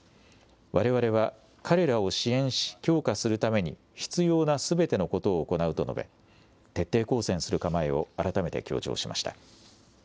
われわれは彼らを支援し、強化するために必要なすべてのことを行うと述べ、徹底抗戦する構えを改めて強調しました。